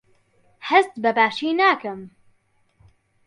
هەست بەباشی ناکەم.